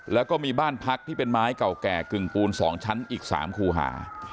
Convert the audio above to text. แล้วก็มีบ้านพักที่เป็นไม้เก่าแก่กึ่งปูน๒ชั้นอีก๓คู่หา